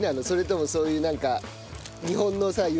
それともそういうなんか日本のさ